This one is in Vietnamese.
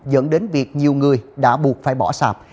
dẫn đến việc nhiều người đã buộc phải bỏ sạp